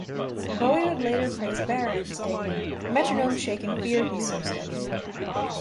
Bowie would later praise Baron, stating: Metronomes shake in fear, he's so steady.